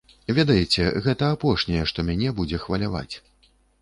Ведаеце, гэта апошняе, што мяне будзе хваляваць.